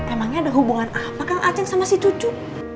emangnya ada hubungan apa kang aceng sama si cucu